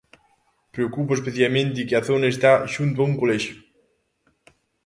Preocupa especialmente que a zona está xunto a un colexio.